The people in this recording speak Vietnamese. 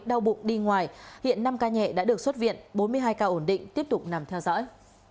đau bụng đi ngoài hiện năm ca nhẹ đã được xuất viện bốn mươi hai ca ổn định tiếp tục nằm theo dõi